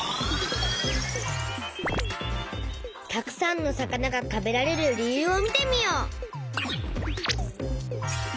たくさんの魚が食べられる理由を見てみよう！